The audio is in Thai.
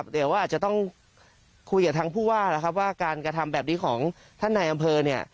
เดี๋ยวว่าจะต้องคุยกับทั้งผู้ว่าว่าการกระทำแบบนี้ของท่านนายอำเภอ